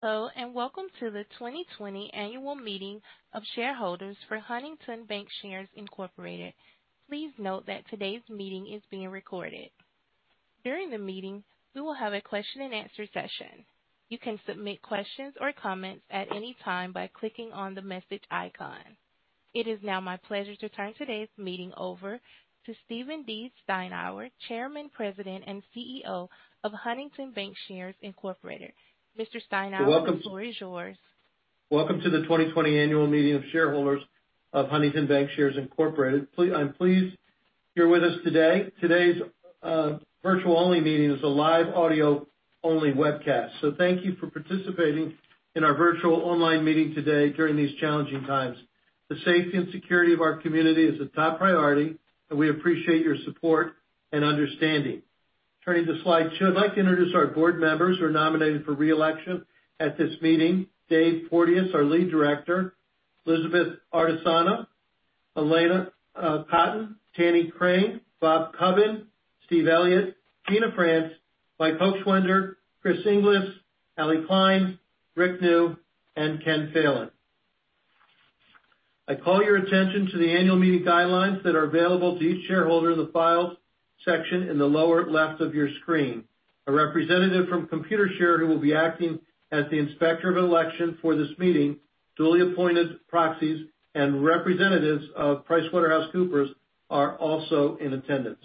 Hello, welcome to the 2020 Annual Meeting of Shareholders for Huntington Bancshares Incorporated. Please note that today's meeting is being recorded. During the meeting, we will have a question and answer session. You can submit questions or comments at any time by clicking on the message icon. It is now my pleasure to turn today's meeting over to Stephen D. Steinour, Chairman, President, and CEO of Huntington Bancshares Incorporated. Mr. Steinour. Welcome. The floor is yours. Welcome to the 2020 Annual Meeting of Shareholders of Huntington Bancshares Incorporated. I'm pleased you're with us today. Today's virtual-only meeting is a live audio-only webcast, so thank you for participating in our virtual online meeting today during these challenging times. The safety and security of our community is a top priority, and we appreciate your support and understanding. Turning to slide two, I'd like to introduce our board members who are nominated for re-election at this meeting. Dave Porteous, our Lead Director, Lizabeth Ardisana, Alanna Cotton, Tanny Crane, Bob Cubbin, Steve Elliott, Gina France, Mike Hochschwender, Chris Inglis, Allie Kline, Rick Neu, and Ken Phelan. I call your attention to the annual meeting guidelines that are available to each shareholder in the Files section in the lower left of your screen. A representative from Computershare, who will be acting as the Inspector of Election for this meeting, duly appointed proxies and representatives of PricewaterhouseCoopers are also in attendance.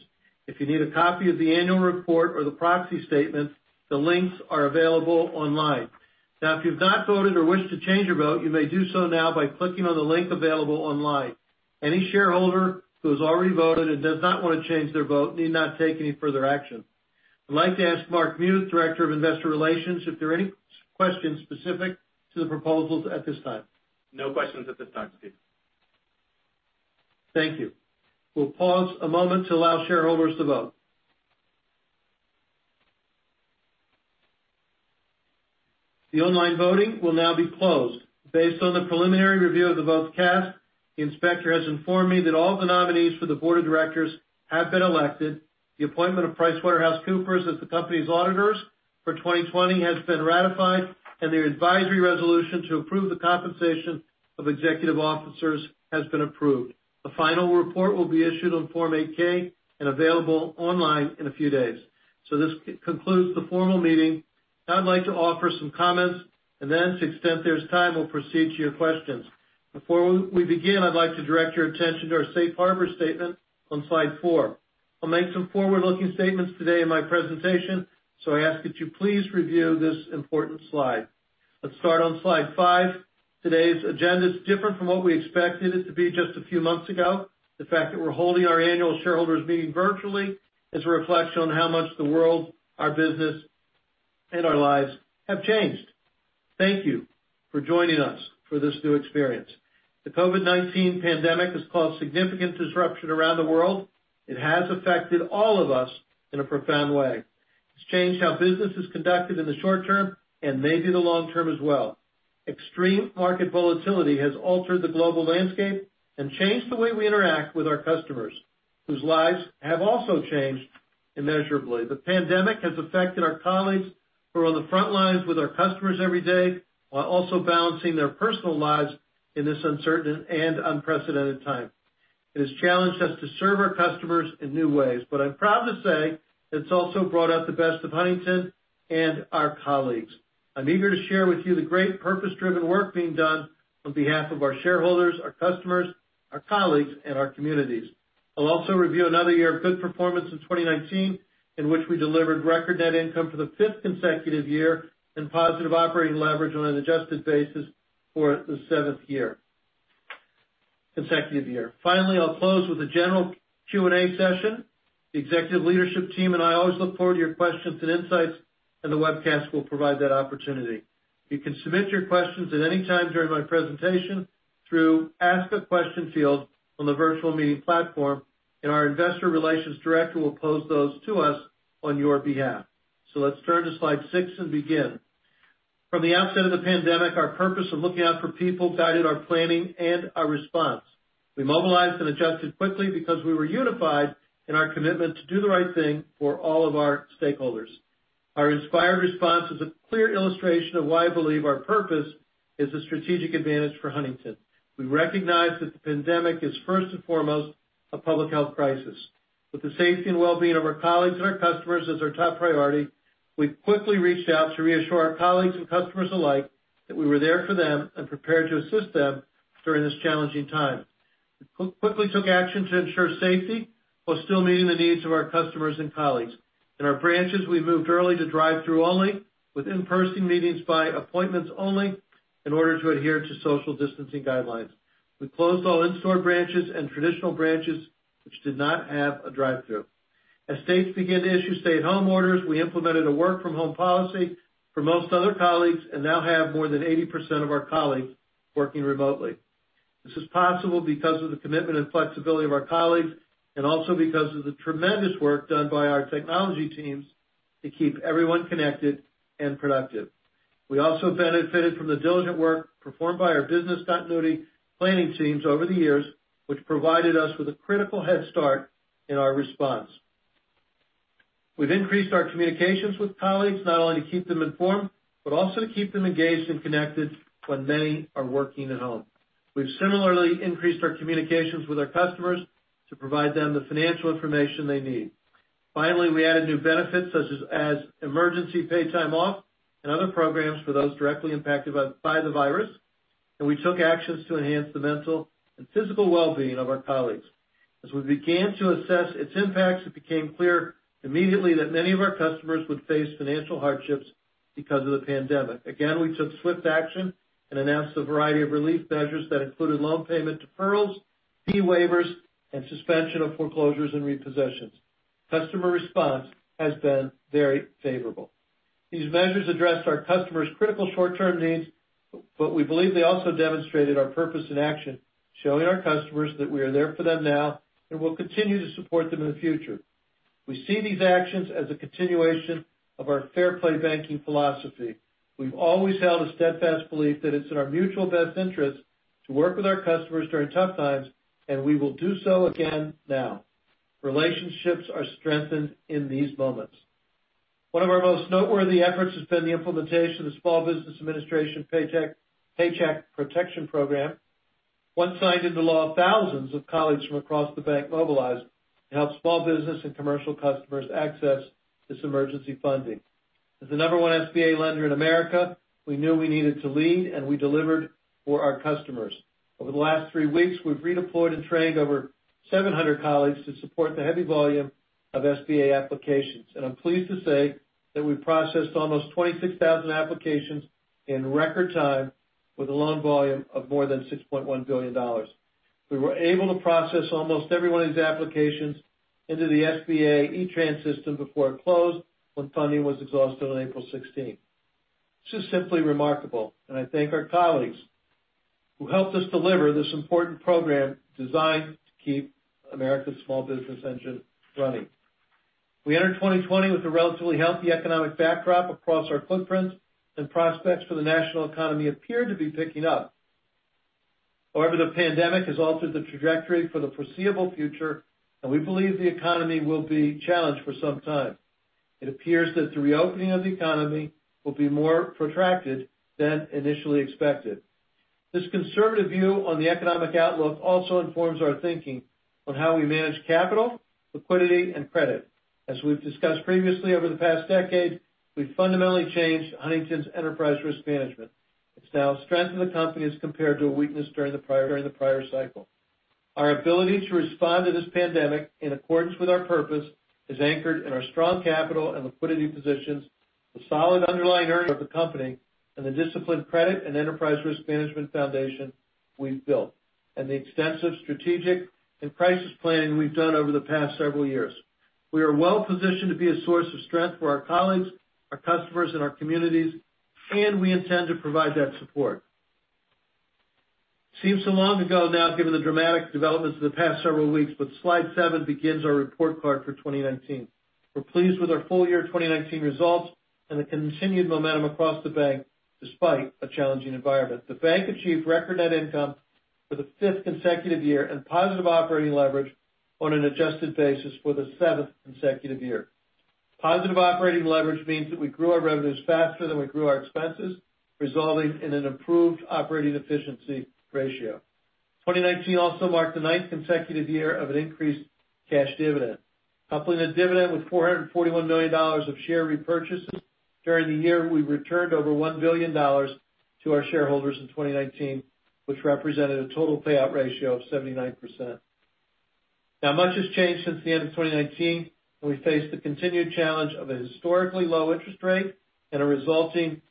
If you need a copy of the annual report or the proxy statement, the links are available online. If you've not voted or wish to change your vote, you may do so now by clicking on the link available online. Any shareholder who has already voted and does not want to change their vote need not take any further action. I'd like to ask Mark Muth, Director of Investor Relations, if there are any questions specific to the proposals at this time. No questions at this time, Stephen. Thank you. We'll pause a moment to allow shareholders to vote. The online voting will now be closed. Based on the preliminary review of the votes cast, the Inspector has informed me that all the nominees for the board of directors have been elected, the appointment of PricewaterhouseCoopers as the company's auditors for 2020 has been ratified, and the advisory resolution to approve the compensation of executive officers has been approved. The final report will be issued on Form 8-K and available online in a few days. This concludes the formal meeting. I'd like to offer some comments, and then to the extent there's time, we'll proceed to your questions. Before we begin, I'd like to direct your attention to our safe harbor statement on slide four. I'll make some forward-looking statements today in my presentation, so I ask that you please review this important slide. Let's start on slide five. Today's agenda is different from what we expected it to be just a few months ago. The fact that we're holding our annual shareholders meeting virtually is a reflection on how much the world, our business, and our lives have changed. Thank you for joining us for this new experience. The COVID-19 pandemic has caused significant disruption around the world. It has affected all of us in a profound way. It's changed how business is conducted in the short term and maybe the long term as well. Extreme market volatility has altered the global landscape and changed the way we interact with our customers, whose lives have also changed immeasurably. The pandemic has affected our colleagues who are on the front lines with our customers every day while also balancing their personal lives in this uncertain and unprecedented time. It has challenged us to serve our customers in new ways, but I'm proud to say it's also brought out the best of Huntington and our colleagues. I'm eager to share with you the great purpose-driven work being done on behalf of our shareholders, our customers, our colleagues, and our communities. I'll also review another year of good performance in 2019, in which we delivered record net income for the fifth consecutive year and positive operating leverage on an adjusted basis for the seventh consecutive year. Finally, I'll close with a general Q&A session. The executive leadership team and I always look forward to your questions and insights, and the webcast will provide that opportunity. You can submit your questions at any time during my presentation through Ask a Question field on the virtual meeting platform, and our investor relations director will pose those to us on your behalf. Let's turn to slide six and begin. From the outset of the pandemic, our purpose of looking out for people guided our planning and our response. We mobilized and adjusted quickly because we were unified in our commitment to do the right thing for all of our stakeholders. Our inspired response is a clear illustration of why I believe our purpose is a strategic advantage for Huntington. We recognize that the pandemic is first and foremost a public health crisis. With the safety and well-being of our colleagues and our customers as our top priority, we quickly reached out to reassure our colleagues and customers alike that we were there for them and prepared to assist them during this challenging time. We quickly took action to ensure safety while still meeting the needs of our customers and colleagues. In our branches, we moved early to drive-thru only, with in-person meetings by appointments only in order to adhere to social distancing guidelines. We closed all in-store branches and traditional branches which did not have a drive-thru. As states began to issue stay-at-home orders, we implemented a work-from-home policy for most other colleagues and now have more than 80% of our colleagues working remotely. This is possible because of the commitment and flexibility of our colleagues and also because of the tremendous work done by our technology teams to keep everyone connected and productive. We also benefited from the diligent work performed by our business continuity planning teams over the years, which provided us with a critical head start in our response. We've increased our communications with colleagues, not only to keep them informed, but also to keep them engaged and connected when many are working at home. We've similarly increased our communications with our customers to provide them the financial information they need. Finally, we added new benefits such as emergency paid time off and other programs for those directly impacted by the virus, and we took actions to enhance the mental and physical well-being of our colleagues. As we began to assess its impacts, it became clear immediately that many of our customers would face financial hardships because of the pandemic. Again, we took swift action and announced a variety of relief measures that included loan payment deferrals, fee waivers, and suspension of foreclosures and repossessions. Customer response has been very favorable. These measures address our customers' critical short-term needs, but we believe they also demonstrated our purpose in action, showing our customers that we are there for them now and will continue to support them in the future. We see these actions as a continuation of our fair play banking philosophy. We've always held a steadfast belief that it's in our mutual best interest to work with our customers during tough times, and we will do so again now. Relationships are strengthened in these moments. One of our most noteworthy efforts has been the implementation of the Small Business Administration Paycheck Protection Program. Once signed into law, thousands of colleagues from across the bank mobilized to help small business and commercial customers access this emergency funding. As the number one SBA lender in America, we knew we needed to lead, and we delivered for our customers. Over the last three weeks, we've redeployed and trained over 700 colleagues to support the heavy volume of SBA applications. I'm pleased to say that we processed almost 26,000 applications in record time with a loan volume of more than $6.1 billion. We were able to process almost every one of these applications into the SBA E-Tran system before it closed when funding was exhausted on April 16th. This is simply remarkable, and I thank our colleagues who helped us deliver this important program designed to keep America's small business engine running. We entered 2020 with a relatively healthy economic backdrop across our footprint, and prospects for the national economy appeared to be picking up. However, the pandemic has altered the trajectory for the foreseeable future, and we believe the economy will be challenged for some time. It appears that the reopening of the economy will be more protracted than initially expected. This conservative view on the economic outlook also informs our thinking on how we manage capital, liquidity, and credit. As we've discussed previously over the past decade, we've fundamentally changed Huntington's enterprise risk management. It's now a strength of the company as compared to a weakness during the prior cycle. Our ability to respond to this pandemic in accordance with our purpose is anchored in our strong capital and liquidity positions, the solid underlying earnings of the company, and the disciplined credit and enterprise risk management foundation we've built, and the extensive strategic and crisis planning we've done over the past several years. We are well-positioned to be a source of strength for our colleagues, our customers, and our communities, and we intend to provide that support. Seems so long ago now, given the dramatic developments of the past several weeks, but slide seven begins our report card for 2019. We're pleased with our full year 2019 results and the continued momentum across the bank despite a challenging environment. The bank achieved record net income for the fifth consecutive year and positive operating leverage on an adjusted basis for the seventh consecutive year. Positive operating leverage means that we grew our revenues faster than we grew our expenses, resulting in an improved operating efficiency ratio. 2019 also marked the ninth consecutive year of an increased cash dividend. Coupling the dividend with $441 million of share repurchases during the year, we returned over $1 billion to our shareholders in 2019, which represented a total payout ratio of 79%. Much has changed since the end of 2019, and we face the continued challenge of a historically low interest rate and a resulting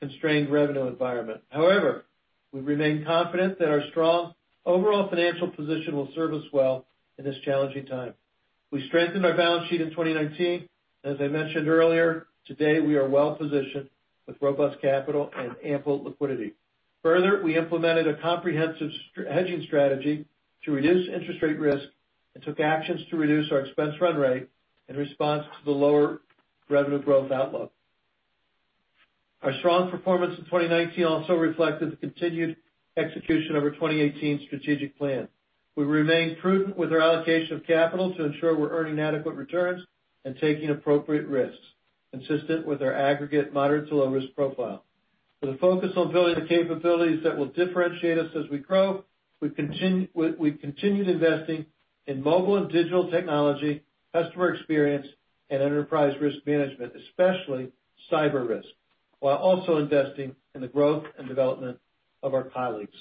constrained revenue environment. However, we remain confident that our strong overall financial position will serve us well in this challenging time. We strengthened our balance sheet in 2019, and as I mentioned earlier, today we are well-positioned with robust capital and ample liquidity. Further, we implemented a comprehensive hedging strategy to reduce interest rate risk and took actions to reduce our expense run rate in response to the lower revenue growth outlook. Our strong performance in 2019 also reflected the continued execution of our 2018 strategic plan. We remain prudent with our allocation of capital to ensure we're earning adequate returns and taking appropriate risks consistent with our aggregate moderate to low risk profile. With a focus on building the capabilities that will differentiate us as we grow, we've continued investing in mobile and digital technology, customer experience, and enterprise risk management, especially cyber risk, while also investing in the growth and development of our colleagues.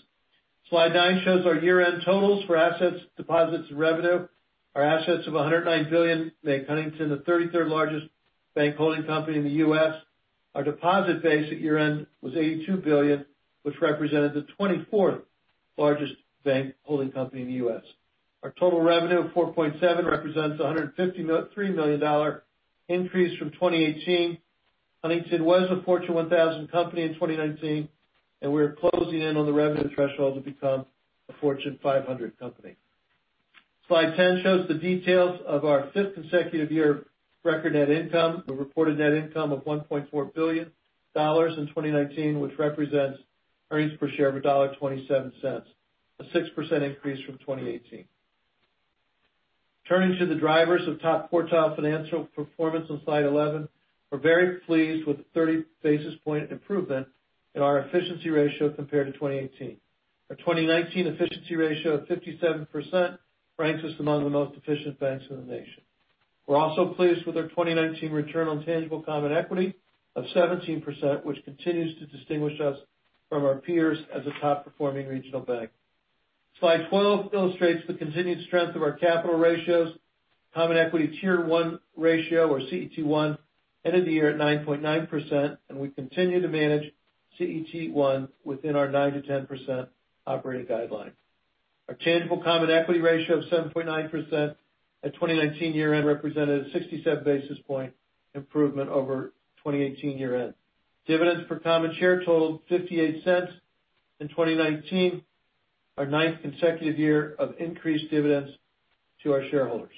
Slide nine shows our year-end totals for assets, deposits, and revenue. Our assets of $109 billion make Huntington the 33rd largest bank holding company in the U.S.. Our deposit base at year-end was $82 billion, which represented the 24th largest bank holding company in the U.S.. Our total revenue of $4.7 represents a $153 million increase from 2018. Huntington was a Fortune 1000 company in 2019. We are closing in on the revenue threshold to become a Fortune 500 company. Slide 10 shows the details of our fifth consecutive year of record net income. We reported net income of $1.4 billion in 2019, which represents earnings per share of $1.27, a 6% increase from 2018. Turning to the drivers of top quartile financial performance on slide 11, we're very pleased with the 30 basis point improvement in our efficiency ratio compared to 2018. Our 2019 efficiency ratio of 57% ranks us among the most efficient banks in the nation. We're also pleased with our 2019 return on tangible common equity of 17%, which continues to distinguish us from our peers as a top-performing regional bank. Slide 12 illustrates the continued strength of our capital ratios. Common equity tier 1 ratio, or CET1, ended the year at 9.9%. We continue to manage CET1 within our 9%-10% operating guideline. Our tangible common equity ratio of 7.9% at 2019 year-end represented a 67 basis point improvement over 2018 year-end. Dividends per common share totaled $0.58 in 2019, our ninth consecutive year of increased dividends to our shareholders.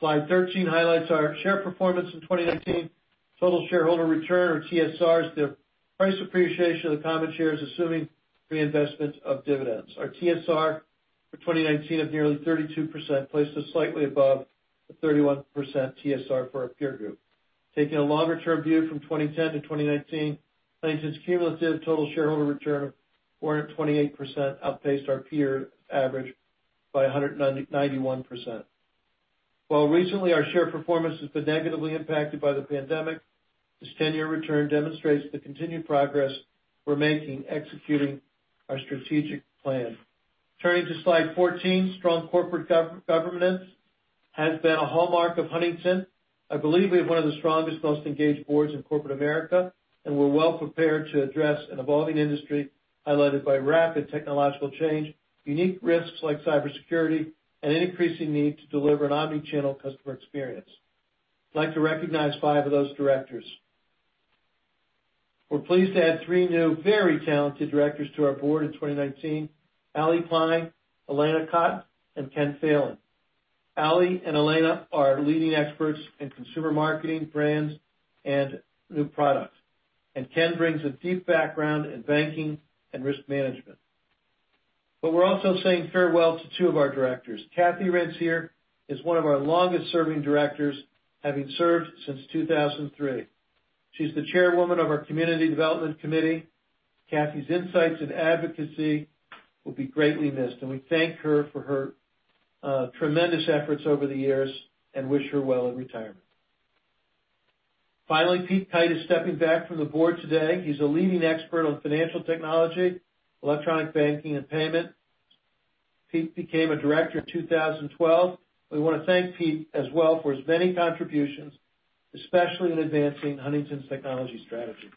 Slide 13 highlights our share performance in 2019. Total shareholder return, or TSR, is the price appreciation of the common shares, assuming reinvestment of dividends. Our TSR for 2019 of nearly 32% places slightly above the 31% TSR for our peer group. Taking a longer-term view from 2010-2019, Huntington's cumulative total shareholder return of 428% outpaced our peer average by 191%. While recently our share performance has been negatively impacted by the pandemic, this 10-year return demonstrates the continued progress we're making executing our strategic plan. Turning to Slide 14, strong corporate governance has been a hallmark of Huntington. I believe we have one of the strongest, most engaged boards in corporate America, and we're well prepared to address an evolving industry highlighted by rapid technological change, unique risks like cybersecurity, and an increasing need to deliver an omnichannel customer experience. I'd like to recognize five of those directors. We're pleased to add three new very talented directors to our board in 2019, Allie Kline, Alanna Cotton, and Ken Phelan. Allie and Alanna are leading experts in consumer marketing, brands, and new products, and Ken brings a deep background in banking and risk management. We're also saying farewell to two of our directors. Kathy Ransier is one of our longest-serving directors, having served since 2003. She's the chairwoman of our Community Development Committee. Kathy's insights and advocacy will be greatly missed, and we thank her for her tremendous efforts over the years and wish her well in retirement. Finally, Pete Kight is stepping back from the board today. He's a leading expert on financial technology, electronic banking, and payment. Pete became a director in 2012. We want to thank Pete as well for his many contributions, especially in advancing Huntington's technology strategy.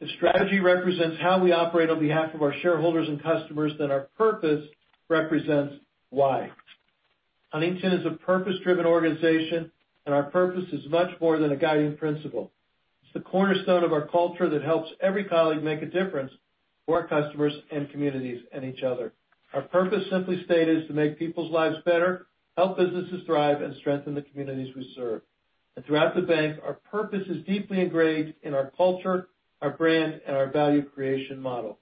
The strategy represents how we operate on behalf of our shareholders and customers that our purpose represents why. Huntington is a purpose-driven organization, our purpose is much more than a guiding principle. It's the cornerstone of our culture that helps every colleague make a difference for our customers and communities and each other. Our purpose, simply stated, is to make people's lives better, help businesses thrive, and strengthen the communities we serve. Throughout the bank, our purpose is deeply ingrained in our culture, our brand, and our value creation model.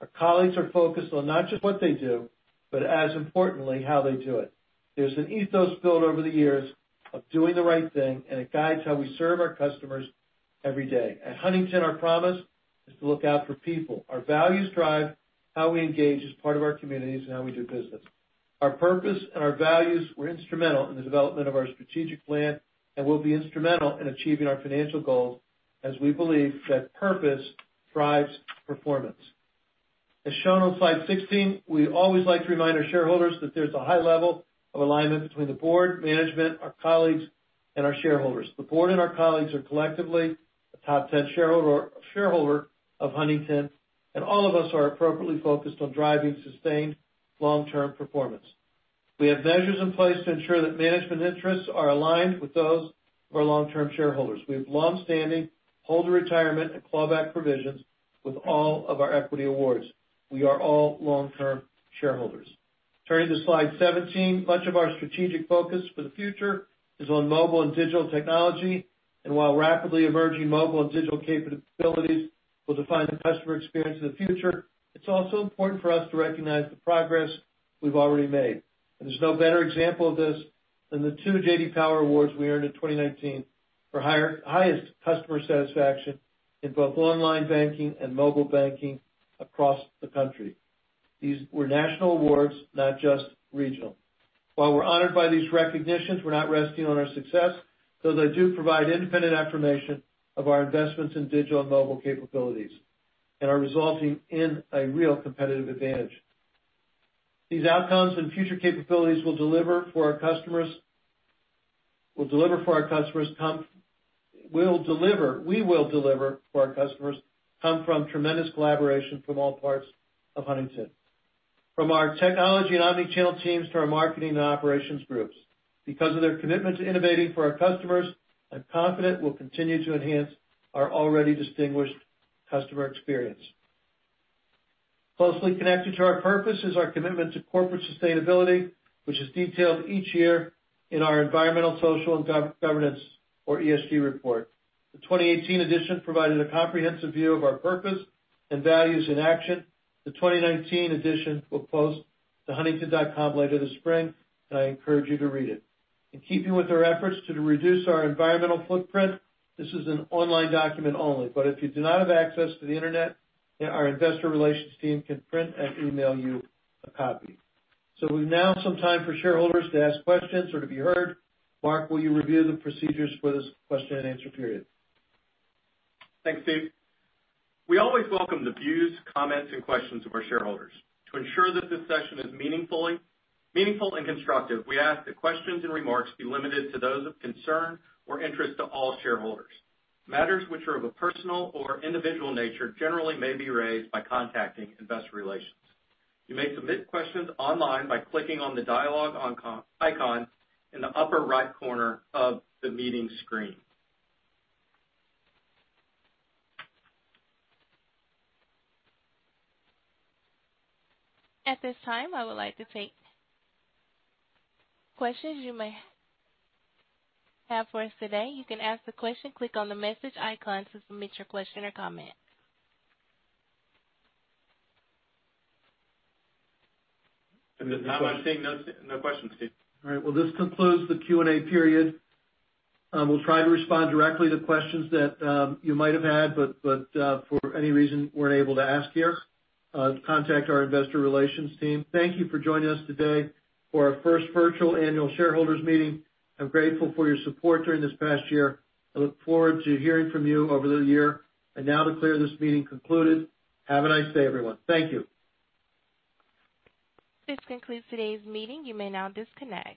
Our colleagues are focused on not just what they do, but as importantly, how they do it. There's an ethos built over the years of doing the right thing. It guides how we serve our customers every day. At Huntington, our promise is to look out for people. Our values drive how we engage as part of our communities and how we do business. Our purpose and our values were instrumental in the development of our strategic plan and will be instrumental in achieving our financial goals as we believe that purpose drives performance. As shown on slide 16, we always like to remind our shareholders that there's a high level of alignment between the board, management, our colleagues, and our shareholders. The board and our colleagues are collectively a top 10 shareholder of Huntington. All of us are appropriately focused on driving sustained long-term performance. We have measures in place to ensure that management interests are aligned with those of our long-term shareholders. We have long-standing hold-to-retirement and clawback provisions with all of our equity awards. We are all long-term shareholders. Turning to slide 17, much of our strategic focus for the future is on mobile and digital technology, while rapidly emerging mobile and digital capabilities will define the customer experience of the future, it's also important for us to recognize the progress we've already made. There's no better example of this than the two J.D. Power Awards we earned in 2019 for highest customer satisfaction in both online banking and mobile banking across the country. These were national awards, not just regional. While we're honored by these recognitions, we're not resting on our success, though they do provide independent affirmation of our investments in digital and mobile capabilities and are resulting in a real competitive advantage. These outcomes and future capabilities we will deliver for our customers come from tremendous collaboration from all parts of Huntington. From our technology and omnichannel teams to our marketing and operations groups. Because of their commitment to innovating for our customers, I'm confident we'll continue to enhance our already distinguished customer experience. Closely connected to our purpose is our commitment to corporate sustainability, which is detailed each year in our environmental, social, and governance or ESG report. The 2018 edition provided a comprehensive view of our purpose and values in action. The 2019 edition will post to huntington.com later this spring, and I encourage you to read it. Keeping with our efforts to reduce our environmental footprint. This is an online document only, but if you do not have access to the internet, our investor relations team can print and email you a copy. We've now some time for shareholders to ask questions or to be heard. Mark, will you review the procedures for this question and answer period? Thanks, Stephen. We always welcome the views, comments, and questions of our shareholders. To ensure that this session is meaningful and constructive, we ask that questions and remarks be limited to those of concern or interest to all shareholders. Matters which are of a personal or individual nature generally may be raised by contacting investor relations. You may submit questions online by clicking on the dialogue icon in the upper right corner of the meeting screen. At this time, I would like to take questions you may have for us today. You can ask the question. Click on the message icon to submit your question or comment. At this time, I'm seeing no questions, Stephen. Well, this concludes the Q&A period. We'll try to respond directly to questions that you might have had but for any reason, weren't able to ask here. Contact our investor relations team. Thank you for joining us today for our first virtual annual shareholders meeting. I'm grateful for your support during this past year. I look forward to hearing from you over the year. Now to clear this meeting concluded, have a nice day, everyone. Thank you. This concludes today's meeting. You may now disconnect.